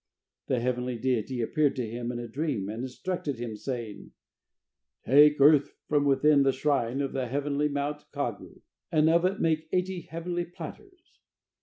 The heavenly deity appeared to him in a dream, and instructed him, saying: "Take earth from within the shrine of the heavenly mount Kagu, and of it make eighty heavenly platters.